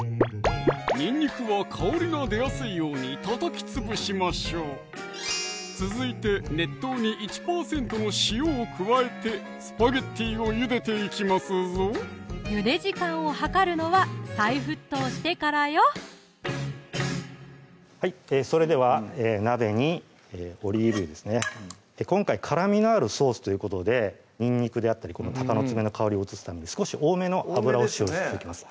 にんにくは香りが出やすいようにたたきつぶしましょう続いて熱湯に１％の塩を加えてスパゲッティをゆでていきますぞゆで時間を計るのは再沸騰してからよそれでは鍋にオリーブ油ですね今回辛みのあるソースということでにんにくであったりたかのつめの香りを移すために少し多めの油を使用していきます